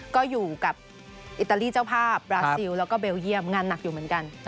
ก็อยู่กับอิตาลีเจ้าภาพบราซิลแล้วก็เบลเยี่ยมงานหนักอยู่เหมือนกัน